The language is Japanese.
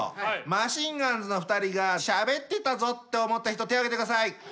マシンガンズの２人がしゃべってたぞって思った人手を挙げてください！